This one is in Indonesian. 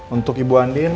untuk ibu andin